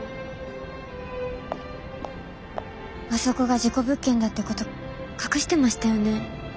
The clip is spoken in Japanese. あそこが事故物件だってこと隠してましたよね？